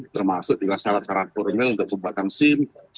termasuk dengan salah salah formal untuk pembuatan simc